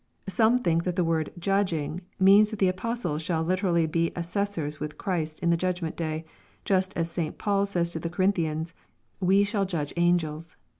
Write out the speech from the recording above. Some think that the word "judging," means that the apoB ties shall Uterally be assessors with Christ in the judgment day, just as St. Paul says to the Corinthians, " we shall judge angels."